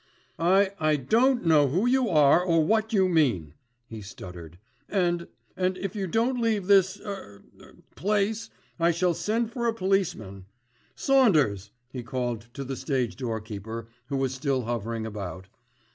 "I—I don't know who you are or what you mean," he stuttered. "And—and if you don't leave this er—er—place I shall send for a policeman. Saunders," he called to the stage doorkeeper who was still hovering about.